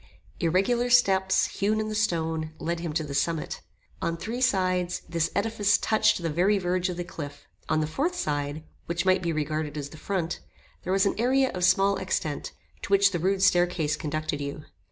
Irregular steps, hewn in the stone, led him to the summit. On three sides, this edifice touched the very verge of the cliff. On the fourth side, which might be regarded as the front, there was an area of small extent, to which the rude staircase conducted you.